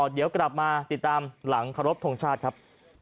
เรากลับมาติดตามหลังโขลบท่องชาติครับ